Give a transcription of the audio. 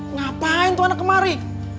ngapain tuh anak kemari